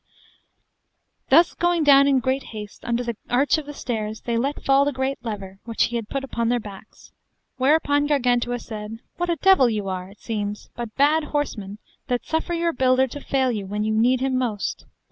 Thus going down in great haste, under the arch of the stairs they let fall the great lever, which he had put upon their backs; whereupon Gargantua said, What a devil! you are, it seems, but bad horsemen, that suffer your bilder to fail you when you need him most.